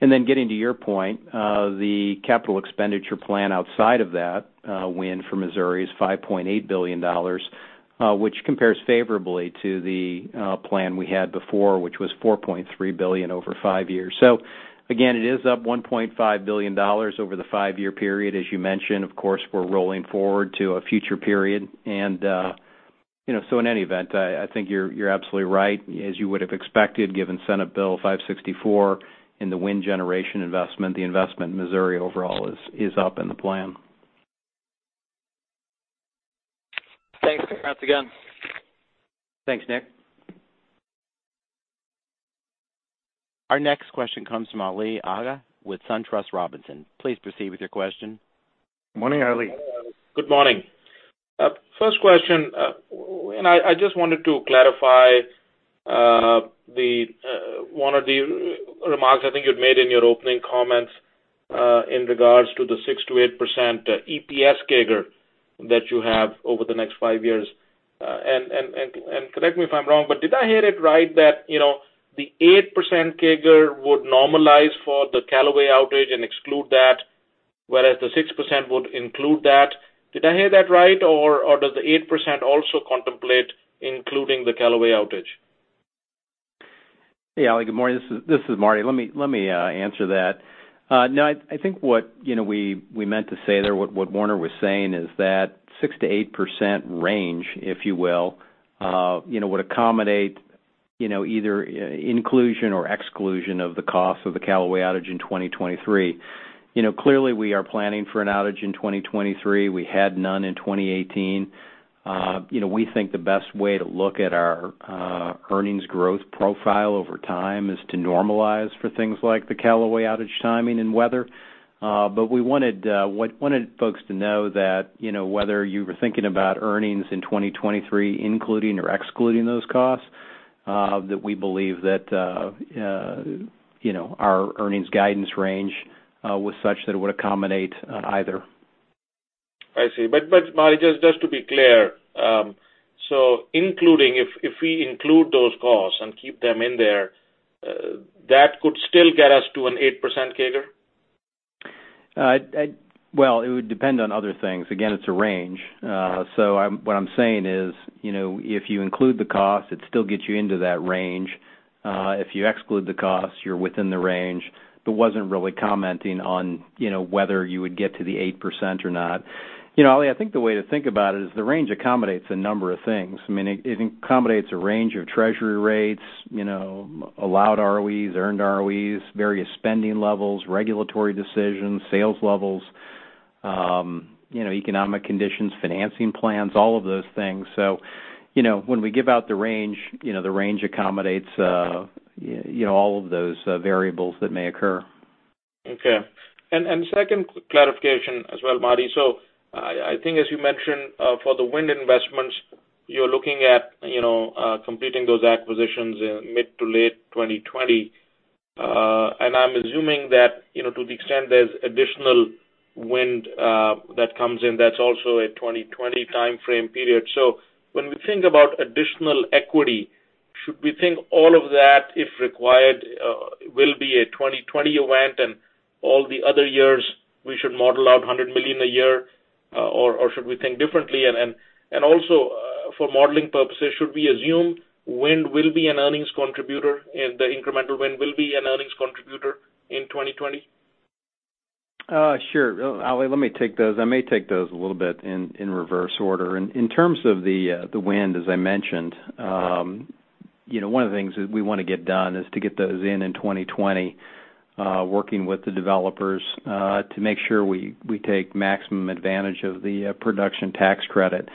Getting to your point, the capital expenditure plan outside of that wind for Missouri is $5.8 billion, which compares favorably to the plan we had before, which was $4.3 billion over five years. Again, it is up $1.5 billion over the five-year period, as you mentioned. Of course, we're rolling forward to a future period. In any event, I think you're absolutely right. As you would have expected, given Senate Bill 564 and the wind generation investment, the investment in Missouri overall is up in the plan. Thanks once again. Thanks, Nick. Our next question comes from Ali Agha with SunTrust Robinson. Please proceed with your question. Morning, Ali. Good morning. First question, I just wanted to clarify one of the remarks I think you'd made in your opening comments in regards to the 6%-8% EPS CAGR that you have over the next 5 years. Correct me if I'm wrong, but did I hear it right that the 8% CAGR would normalize for the Callaway outage and exclude that, whereas the 6% would include that? Did I hear that right? Or does the 8% also contemplate including the Callaway outage? Hey, Ali. Good morning. This is Martin. Let me answer that. No, I think what we meant to say there, what Warner was saying is that 6%-8% range, if you will, would accommodate either inclusion or exclusion of the cost of the Callaway outage in 2023. Clearly, we are planning for an outage in 2023. We had none in 2018. We think the best way to look at our earnings growth profile over time is to normalize for things like the Callaway outage timing and weather. We wanted folks to know that whether you were thinking about earnings in 2023, including or excluding those costs, that we believe that our earnings guidance range was such that it would accommodate either. I see. Martin, just to be clear, if we include those costs and keep them in there, that could still get us to an 8% CAGR? Well, it would depend on other things. Again, it's a range. What I'm saying is, if you include the cost, it still gets you into that range. If you exclude the cost, you're within the range. Wasn't really commenting on whether you would get to the 8% or not. Ali, I think the way to think about it is the range accommodates a number of things. I mean, it accommodates a range of treasury rates, allowed ROEs, earned ROEs, various spending levels, regulatory decisions, sales levels, economic conditions, financing plans, all of those things. When we give out the range, the range accommodates all of those variables that may occur. Okay. Second clarification as well, Martin. I think as you mentioned, for the wind investments, you're looking at completing those acquisitions in mid to late 2020. I'm assuming that to the extent there's additional wind that comes in, that's also a 2020 timeframe period. When we think about additional equity, should we think all of that, if required, will be a 2020 event and all the other years we should model out $100 million a year, or should we think differently? Also, for modeling purposes, should we assume wind will be an earnings contributor and the incremental wind will be an earnings contributor in 2020? Sure. Ali, let me take those. I may take those a little bit in reverse order. In terms of the wind, as I mentioned, one of the things that we want to get done is to get those in in 2020, working with the developers to make sure we take maximum advantage of the production tax credit.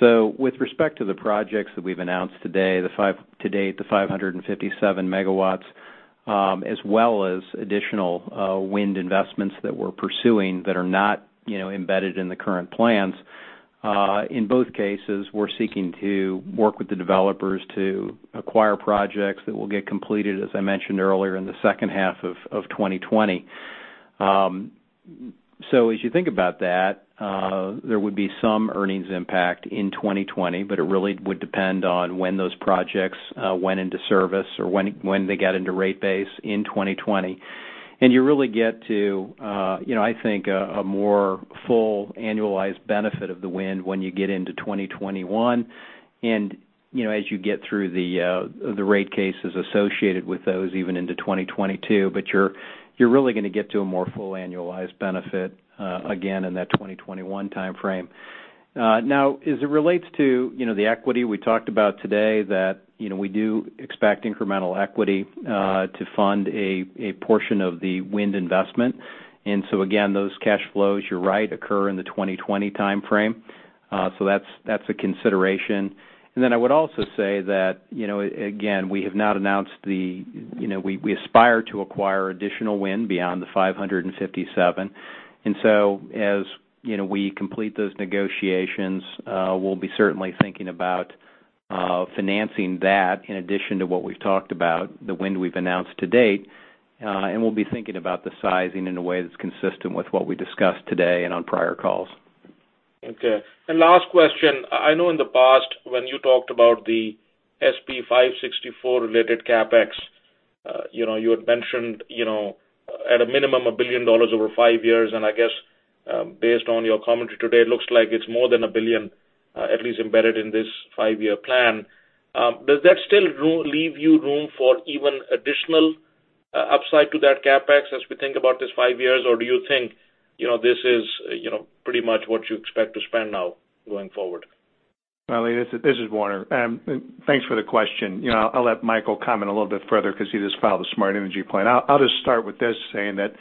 With respect to the projects that we've announced today, the 557 MW, as well as additional wind investments that we're pursuing that are not embedded in the current plans, in both cases, we're seeking to work with the developers to acquire projects that will get completed, as I mentioned earlier, in the second half of 2020. As you think about that, there would be some earnings impact in 2020, but it really would depend on when those projects went into service or when they got into rate base in 2020. You really get to I think, a more full annualized benefit of the wind when you get into 2021. As you get through the rate cases associated with those, even into 2022. You're really going to get to a more full annualized benefit again in that 2021 timeframe. As it relates to the equity we talked about today that we do expect incremental equity to fund a portion of the wind investment. Again, those cash flows, you're right, occur in the 2020 timeframe. That's a consideration. I would also say that, again, we have not announced we aspire to acquire additional wind beyond the 557. As we complete those negotiations, we'll be certainly thinking about financing that in addition to what we've talked about, the wind we've announced to date. We'll be thinking about the sizing in a way that's consistent with what we discussed today and on prior calls. Okay. Last question. I know in the past when you talked about the SB 564-related CapEx, you had mentioned, at a minimum, $1 billion over 5 years, and I guess, based on your commentary today, it looks like it's more than $1 billion at least embedded in this 5-year plan. Does that still leave you room for even additional upside to that CapEx as we think about this 5 years, or do you think this is pretty much what you expect to spend now going forward? Ali, this is Warner. Thanks for the question. I'll let Michael comment a little bit further because he just filed the Smart Energy Plan. I'll just start with this, saying that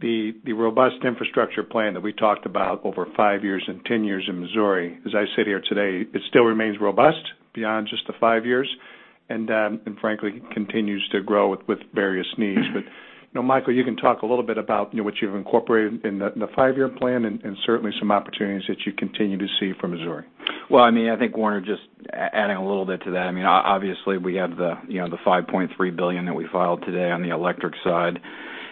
the robust infrastructure plan that we talked about over 5 years and 10 years in Missouri, as I sit here today, it still remains robust beyond just the 5 years, and frankly, continues to grow with various needs. Michael, you can talk a little bit about what you've incorporated in the 5-year plan and certainly some opportunities that you continue to see for Missouri. I think Warner just adding a little bit to that, obviously we have the $5.3 billion that we filed today on the electric side.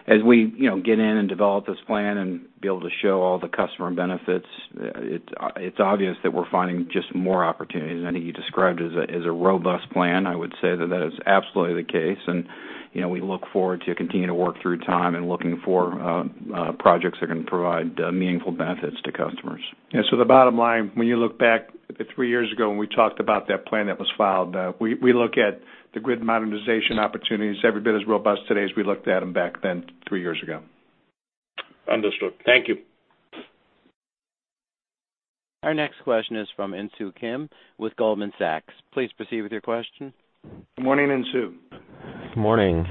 As we get in and develop this plan and be able to show all the customer benefits, it's obvious that we're finding just more opportunities. I think you described it as a robust plan. I would say that that is absolutely the case, and we look forward to continuing to work through time and looking for projects that are going to provide meaningful benefits to customers. The bottom line, when you look back at the three years ago when we talked about that plan that was filed, we look at the grid modernization opportunities every bit as robust today as we looked at them back then three years ago. Understood. Thank you. Our next question is from Insoo Kim with Goldman Sachs. Please proceed with your question. Good morning, Insoo. Good morning.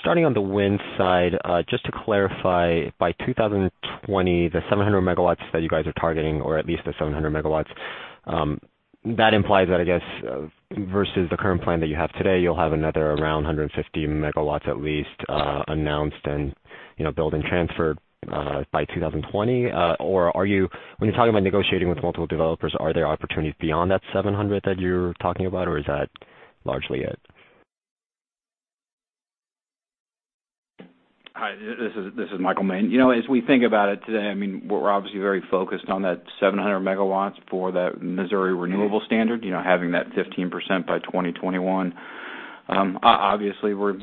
Starting on the wind side, just to clarify, by 2020, the 700 megawatts that you guys are targeting, or at least the 700 megawatts, that implies that, I guess, versus the current plan that you have today, you'll have another around 150 megawatts at least, announced and build-transfer by 2020? When you're talking about negotiating with multiple developers, are there opportunities beyond that 700 that you're talking about or is that largely it? Hi, this is Michael Moehn. As we think about it today, we're obviously very focused on that 700 megawatts for that Missouri Renewable Standard, having that 15% by 2021. Obviously, we're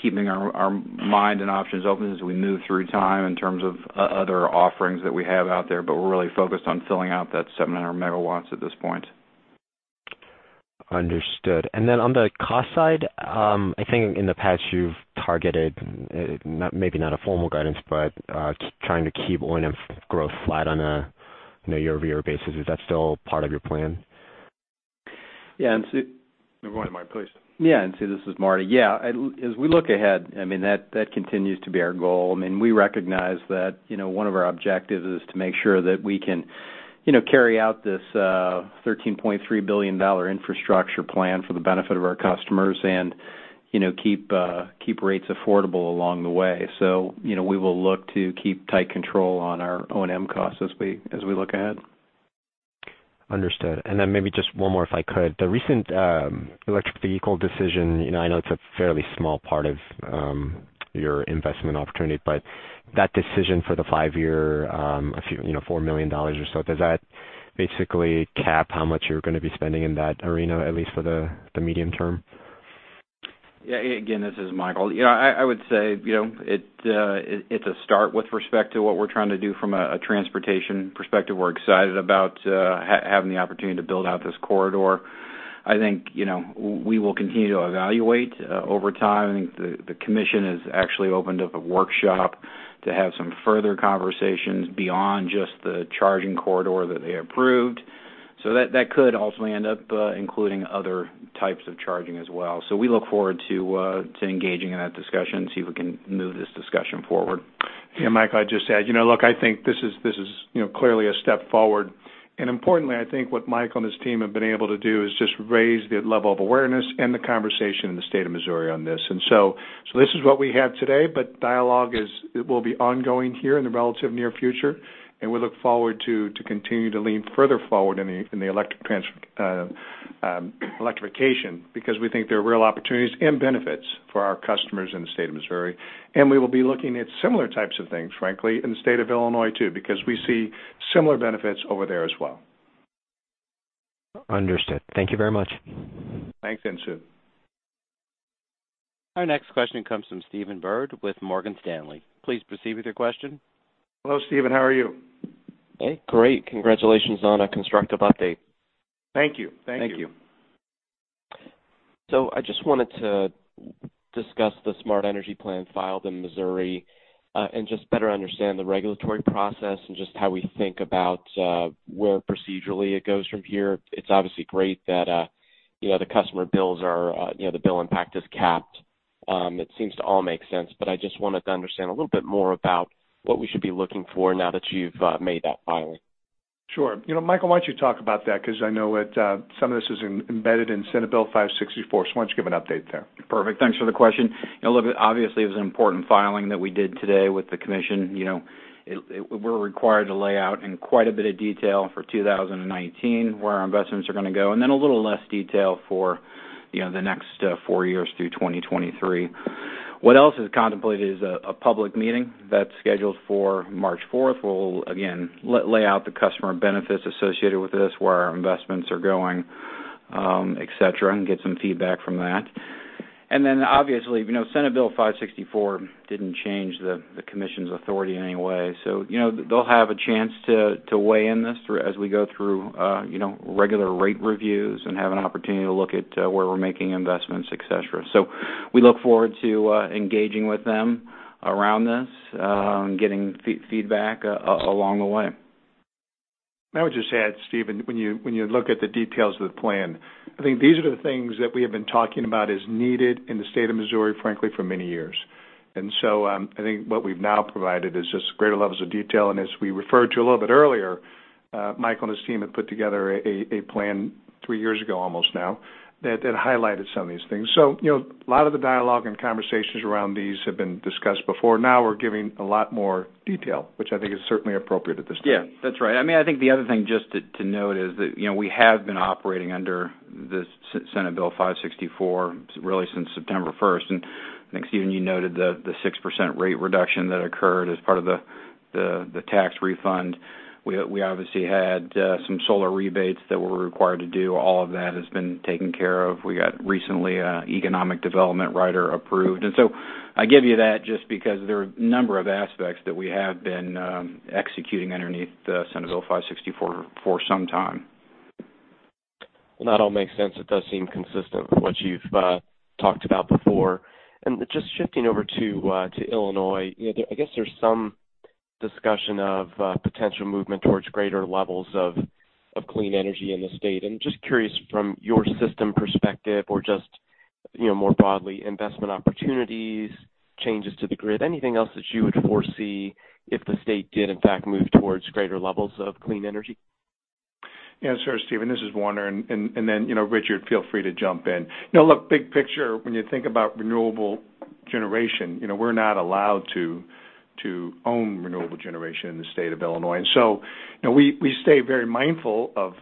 keeping our mind and options open as we move through time in terms of other offerings that we have out there, but we're really focused on filling out that 700 megawatts at this point. Understood. On the cost side, I think in the past you've targeted, maybe not a formal guidance, but trying to keep O&M growth flat on a year-over-year basis. Is that still part of your plan? Yeah, Insoo. Go on, Martin, please. Yeah, Insoo, this is Martin. As we look ahead, that continues to be our goal. We recognize that one of our objectives is to make sure that we can carry out this $13.3 billion infrastructure plan for the benefit of our customers and keep rates affordable along the way. We will look to keep tight control on our O&M costs as we look ahead. Understood. Maybe just one more, if I could. The recent electric vehicle decision, I know it's a fairly small part of your investment opportunity, but that decision for the five-year, $4 million or so, does that basically cap how much you're going to be spending in that arena, at least for the medium term? Yeah. Again, this is Michael. I would say it is a start with respect to what we are trying to do from a transportation perspective. We are excited about having the opportunity to build out this corridor. I think we will continue to evaluate over time. I think the commission has actually opened up a workshop to have some further conversations beyond just the charging corridor that they approved. That could ultimately end up including other types of charging as well. We look forward to engaging in that discussion, see if we can move this discussion forward. Yeah, Mike, I would just add, look, I think this is clearly a step forward. Importantly, I think what Mike and his team have been able to do is just raise the level of awareness and the conversation in the state of Missouri on this. This is what we have today, but dialogue will be ongoing here in the relative near future, and we look forward to continue to lean further forward in the electrification because we think there are real opportunities and benefits for our customers in the state of Missouri. We will be looking at similar types of things, frankly, in the state of Illinois too, because we see similar benefits over there as well. Understood. Thank you very much. Thanks, Insoo. Our next question comes from Stephen Byrd with Morgan Stanley. Please proceed with your question. Hello, Stephen. How are you? Hey, great. Congratulations on a constructive update. Thank you. Thank you. I just wanted to discuss the Smart Energy Plan filed in Missouri, and just better understand the regulatory process and just how we think about where procedurally it goes from here. It's obviously great that the customer bills, the bill impact is capped. It seems to all make sense, I just wanted to understand a little bit more about what we should be looking for now that you've made that filing. Sure. Michael, why don't you talk about that? I know some of this is embedded in Senate Bill 564, why don't you give an update there? Perfect. Thanks for the question. Obviously, it was an important filing that we did today with the commission. We're required to lay out in quite a bit of detail for 2019 where our investments are going to go, and then a little less detail for the next four years through 2023. What else is contemplated is a public meeting that's scheduled for March fourth. We'll again lay out the customer benefits associated with this, where our investments are going, et cetera, and get some feedback from that. Then obviously, Senate Bill 564 didn't change the commission's authority in any way. They'll have a chance to weigh in this as we go through regular rate reviews and have an opportunity to look at where we're making investments, et cetera. We look forward to engaging with them around this, getting feedback along the way. May I just add, Stephen, when you look at the details of the plan, I think these are the things that we have been talking about as needed in the state of Missouri, frankly, for many years. I think what we've now provided is just greater levels of detail, and as we referred to a little bit earlier, Mike and his team had put together a plan 3 years ago almost now that highlighted some of these things. A lot of the dialogue and conversations around these have been discussed before. Now we're giving a lot more detail, which I think is certainly appropriate at this time. That's right. I think the other thing just to note is that we have been operating under this Senate Bill 564 really since September 1st, and I think, Stephen, you noted the 6% rate reduction that occurred as part of the tax refund. We obviously had some solar rebates that we're required to do. All of that has been taken care of. We got recently an economic development rider approved. I give you that just because there are a number of aspects that we have been executing underneath the Senate Bill 564 for some time. Well, that all makes sense. It does seem consistent with what you've talked about before. Just shifting over to Illinois, I guess there's some discussion of potential movement towards greater levels of clean energy in the state. I'm just curious from your system perspective or just more broadly, investment opportunities, changes to the grid, anything else that you would foresee if the state did in fact move towards greater levels of clean energy? Sure, Stephen. This is Warner, and then Richard, feel free to jump in. Look, big picture, when you think about renewable generation, we're not allowed to own renewable generation in the state of Illinois. We stay very mindful of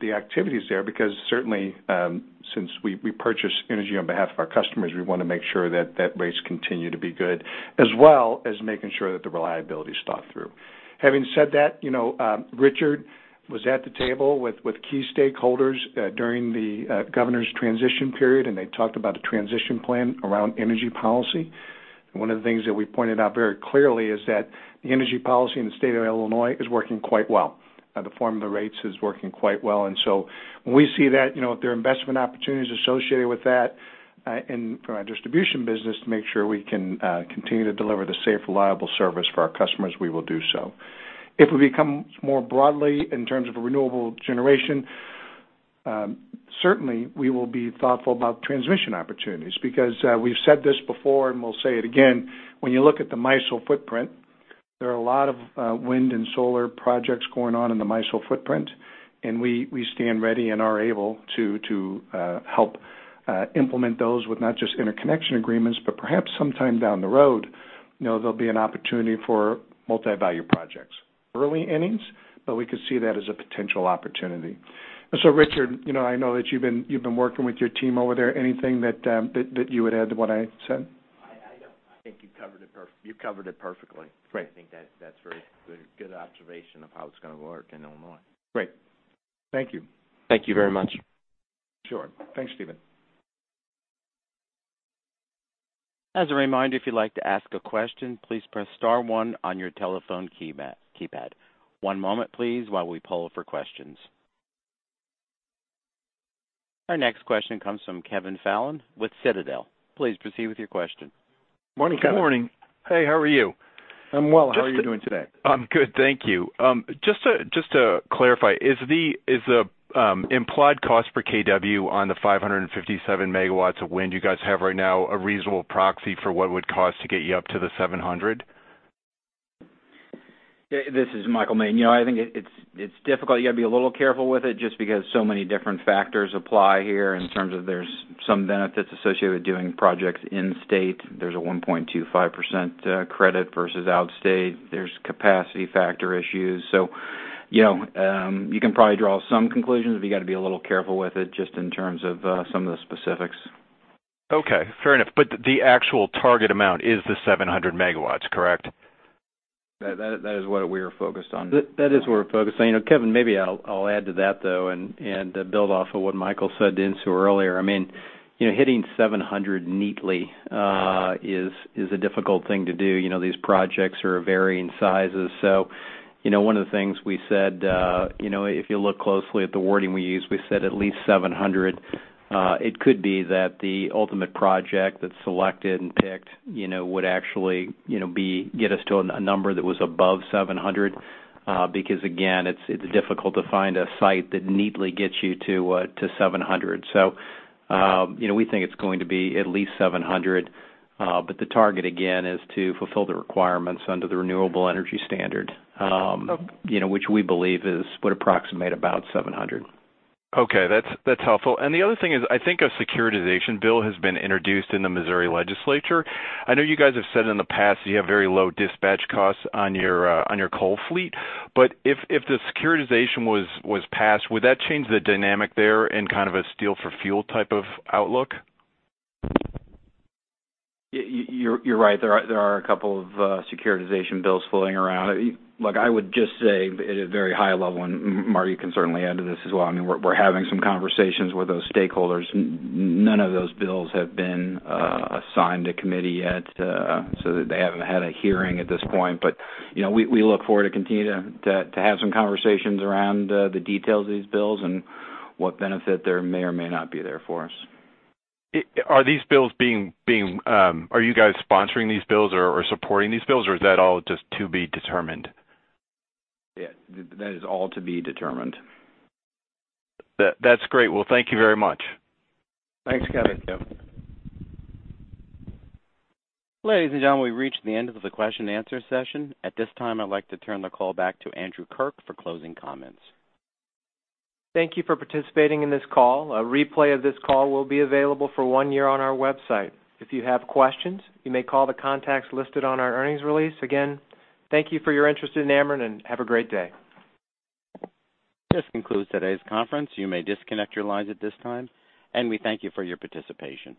the activities there because certainly, since we purchase energy on behalf of our customers, we want to make sure that rates continue to be good, as well as making sure that the reliability is thought through. Having said that, Richard was at the table with key stakeholders during the governor's transition period, and they talked about a transition plan around energy policy. One of the things that we pointed out very clearly is that the energy policy in the state of Illinois is working quite well. The formula rates is working quite well. When we see that, if there are investment opportunities associated with that, in from our distribution business to make sure we can continue to deliver the safe, reliable service for our customers, we will do so. If we become more broadly in terms of a renewable generation, certainly we will be thoughtful about transmission opportunities because we've said this before, and we'll say it again, when you look at the MISO footprint, there are a lot of wind and solar projects going on in the MISO footprint, and we stand ready and are able to help implement those with not just interconnection agreements, but perhaps sometime down the road, there'll be an opportunity for multi-value projects. Early innings, but we could see that as a potential opportunity. Richard, I know that you've been working with your team over there. Anything that you would add to what I said? I think you've covered it perfectly. Great. I think that's very good observation of how it's going to work in Illinois. Great. Thank you. Thank you very much. Sure. Thanks, Stephen. As a reminder, if you'd like to ask a question, please press star 1 on your telephone keypad. One moment, please, while we poll for questions. Our next question comes from Kevin Fallon with Citadel. Please proceed with your question. Morning, Kevin. Good morning. Hey, how are you? I'm well. How are you doing today? I'm good, thank you. Just to clarify, is the implied cost per kW on the 557 megawatts of wind you guys have right now a reasonable proxy for what it would cost to get you up to the 700? This is Michael Moehn. I think it's difficult. You got to be a little careful with it just because so many different factors apply here in terms of there's some benefits associated with doing projects in state. There's a 1.25% credit versus outstate. There's capacity factor issues. You can probably draw some conclusions, but you got to be a little careful with it just in terms of some of the specifics. Okay, fair enough. The actual target amount is the 700 megawatts, correct? That is what we are focused on. That is what we're focused on. Kevin, maybe I'll add to that, though, and build off of what Michael said to Insoo earlier. Hitting 700 neatly is a difficult thing to do. These projects are of varying sizes. One of the things we said, if you look closely at the wording we used, we said at least 700. It could be that the ultimate project that's selected and picked would actually get us to a number that was above 700. Again, it's difficult to find a site that neatly gets you to 700. We think it's going to be at least 700. The target, again, is to fulfill the requirements under the renewable energy standard, which we believe would approximate about 700. Okay, that's helpful. The other thing is, I think a securitization bill has been introduced in the Missouri legislature. I know you guys have said in the past that you have very low dispatch costs on your coal fleet. If the securitization was passed, would that change the dynamic there in kind of a steel for fuel type of outlook? You're right. There are a couple of securitization bills floating around. Look, I would just say at a very high level, Martin, you can certainly add to this as well. We're having some conversations with those stakeholders. None of those bills have been assigned a committee yet, so they haven't had a hearing at this point. We look forward to continue to have some conversations around the details of these bills and what benefit there may or may not be there for us. Are you guys sponsoring these bills or supporting these bills, or is that all just to be determined? That is all to be determined. That's great. Well, thank you very much. Thanks, Kevin. Thank you. Ladies and gentlemen, we've reached the end of the question and answer session. At this time, I'd like to turn the call back to Andrew Kirk for closing comments. Thank you for participating in this call. A replay of this call will be available for one year on our website. If you have questions, you may call the contacts listed on our earnings release. Again, thank you for your interest in Ameren, and have a great day. This concludes today's conference. You may disconnect your lines at this time, and we thank you for your participation.